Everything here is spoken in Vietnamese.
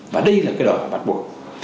và đây là cái đòi bắt buộc